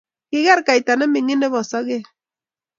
kiger kaita nemenging' nebo sokek.